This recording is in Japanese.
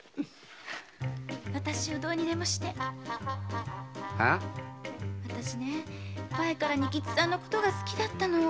私をどうにでもして私ね前から仁吉っつぁんの事が好きだったの。